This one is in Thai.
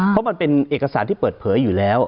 เพราะมันเป็นเอกสารที่เปิดเผยอยู่แล้ว